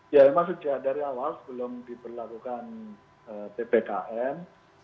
ya mas uciah dari awal sebelum diperlakukan ppkm